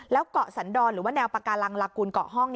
แล้วเกาะสันดรหรือว่าแนวปากาลังลากูลเกาะห้อง